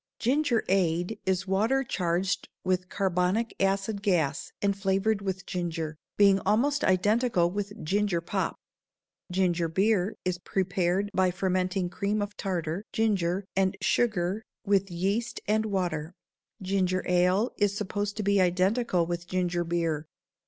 Gingerade is water charged with carbonic acid gas and flavored with ginger, being almost identical with ginger pop. Ginger beer is prepared by fermenting cream of tartar, ginger, and sugar with yeast and water. Ginger ale is supposed to be identical with ginger beer.